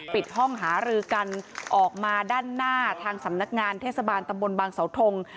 ปิดห้องหารือกันออกมาด้านหน้าทางสำนักงานเทศบาลตำบลบางเสาทง